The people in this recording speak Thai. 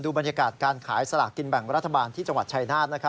บรรยากาศการขายสลากกินแบ่งรัฐบาลที่จังหวัดชายนาฏ